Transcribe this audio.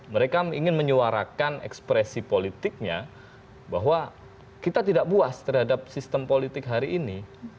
mereka ingin menyuarakan ekspresi politiknya bahwa kita tidak puas terhadap sistem politik hari ini